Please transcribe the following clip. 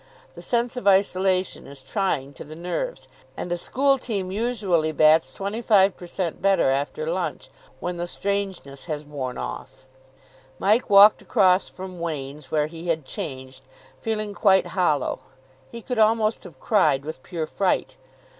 The sense of isolation is trying to the nerves, and a school team usually bats 25 per cent. better after lunch, when the strangeness has worn off. Mike walked across from Wain's, where he had changed, feeling quite hollow. He could almost have cried with pure fright.